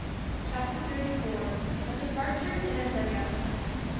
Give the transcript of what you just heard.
CHAPTER THIRTY FOUR. A DEPARTURE IN A "DUG OUT."